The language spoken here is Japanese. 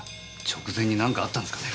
直前になんかあったんですかね？